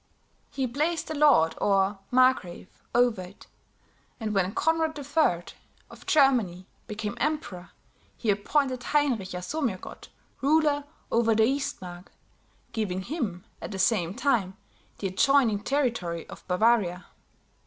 He placed a lord or margrave over it; and when Conrad III of Germany became emperor, he appointed Heinrich Jasomirgott ruler over the Eastmark, giving him, at the same time, the adjoining territory of Bavaria.